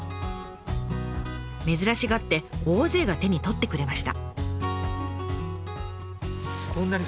珍しがって大勢が手に取ってくれました。